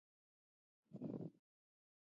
یاقوت د افغانستان د ټولنې لپاره بنسټيز رول لري.